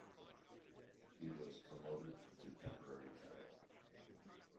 He was promoted to temporary general.